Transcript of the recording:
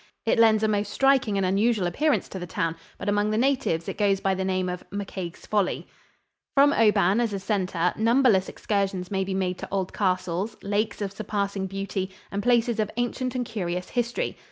It lends a most striking and unusual appearance to the town, but among the natives it goes by the name of "McCaig's Folly." [Illustration: KILCHURN CASTLE, LOCH AWE.] From Oban as a center, numberless excursions may be made to old castles, lakes of surpassing beauty and places of ancient and curious history.